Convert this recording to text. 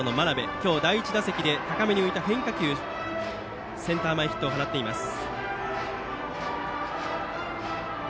今日、第１打席で高めに浮いた変化球センター前ヒットを放ちました。